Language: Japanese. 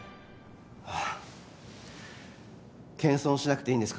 あっ謙遜しなくていいんです